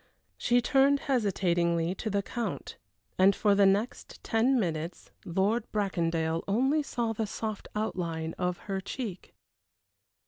She turned hesitatingly to the Count, and for the next ten minutes Lord Bracondale only saw the soft outline of her cheek.